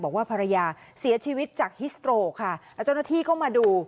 บอกว่าภรรยาเสียชีวิตจากฮิสโตรค่ะแล้วเจ้าหน้าที่ก็มาดู